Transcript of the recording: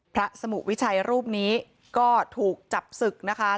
สมุวิชัยรูปนี้ก็ถูกจับศึกนะคะ